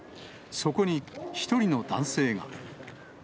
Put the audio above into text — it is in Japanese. そこに１人の男性が。